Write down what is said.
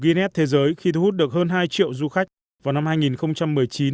gunns thế giới khi thu hút được hơn hai triệu du khách vào năm hai nghìn một mươi chín